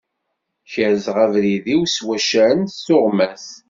Kerzeɣ abrid-iw s waccaren d tuɣmas.